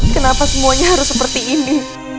kenapa semuanya harus seperti ini